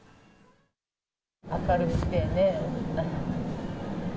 明るくてね。